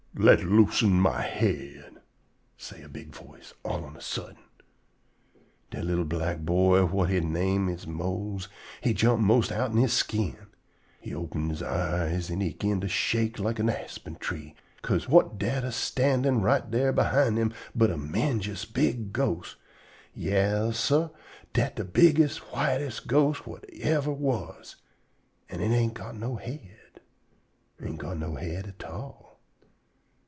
"Let loosen my head!" say a big voice all on a suddent. Dat li'l black boy whut he name is Mose he jump 'most outen he skin. He open he eyes an' he 'gin to shake like de aspen tree, 'ca'se whut dat a standin' right dar behind him but a 'mendjous big ghost! Yas, sah, dat de bigges', whites' ghost whut yever was. An' it ain't got no head. Ain't go no head at all.